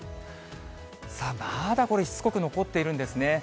さあ、まだこれ、しつこく残っているんですね。